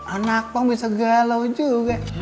anak pun bisa galau juga